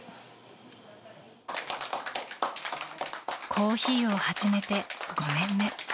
コーヒーを始めて５年目。